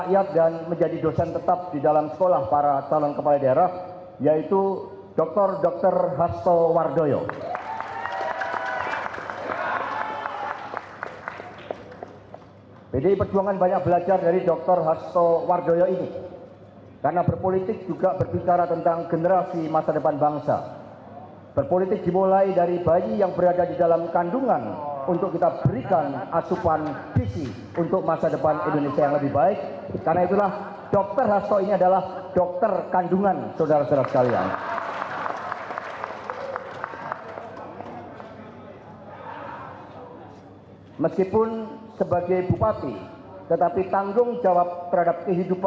insinyur nova iryansah